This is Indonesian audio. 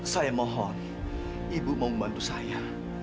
saya mohon ibu mau membantu saya